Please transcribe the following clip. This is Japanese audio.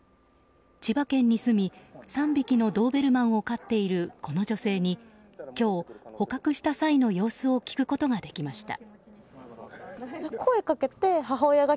千葉県に住み３匹のドーベルマンを飼っているこの女性に、今日捕獲した際の様子を聞くことができました。